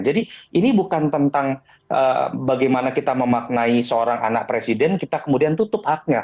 jadi ini bukan tentang bagaimana kita memaknai seorang anak presiden kita kemudian tutup haknya